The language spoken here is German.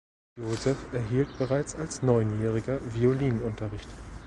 Josef erhielt bereits als Neunjähriger Violinunterricht.